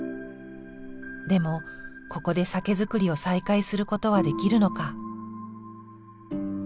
でもここで酒造りを再開することはできるのか。